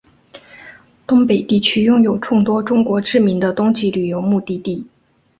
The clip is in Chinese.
东北地区拥有众多中国知名的冬季旅游目的地。